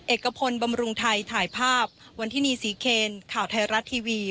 เอกพลบำรุงไทยถ่ายภาพวันที่นี่ศรีเคนข่าวไทยรัฐทีวี